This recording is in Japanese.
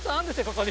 ここに。